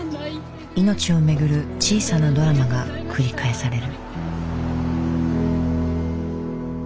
命を巡る小さなドラマが繰り返される。